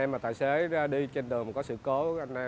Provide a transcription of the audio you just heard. wow rất là xinh